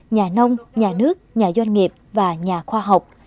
nhà nông nhà nước nhà doanh nghiệp và nhà khoa học